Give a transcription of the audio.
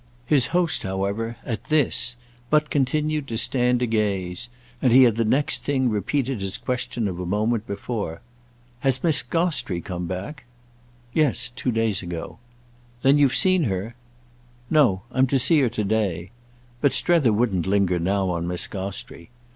His host, however, at this, but continued to stand agaze; and he had the next thing repeated his question of a moment before. "Has Miss Gostrey come back?" "Yes, two days ago." "Then you've seen her?" "No—I'm to see her to day." But Strether wouldn't linger now on Miss Gostrey.